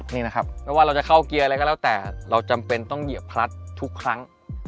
นี่นะครับไม่ว่าเราจะเข้าเกียร์อะไรก็แล้วแต่เราจำเป็นต้องเหยียบพลัดทุกครั้ง